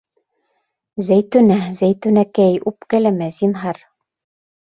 Зәйтүнә, Зәйтүнәкәй, үпкәләмә, зинһар.